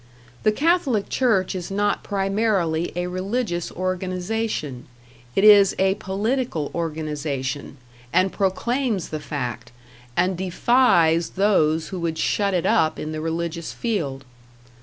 The Catholic Church is not primarily a religious organization; it is a political organization, and proclaims the fact, and defies those who would shut it up in the religious field.